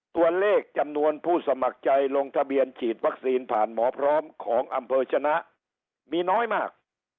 ตัวเลขจำนวนผู้สมัครใจลงทะเบียนฉีดวัคซีนผ่านหมอพร้อมของอำเภอชนะมีน้อยมาก